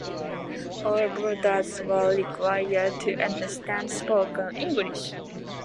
All voters were required to understand spoken English.